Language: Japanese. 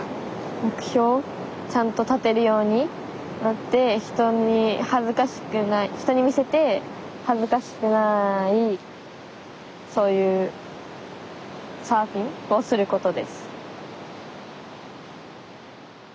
目標ちゃんと立てるようになって人に見せて恥ずかしくないそういうサーフィンをすることです。